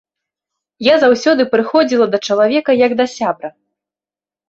Я заўсёды прыходзіла да чалавека як да сябра.